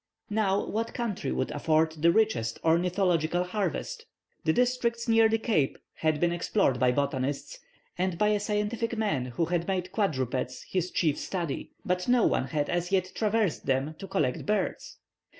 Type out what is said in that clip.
Now what country would afford the richest ornithological harvest? The districts near the Cape had been explored by botanists, and by a scientific man who had made quadrupeds his chief study; but no one had as yet traversed them to collect birds.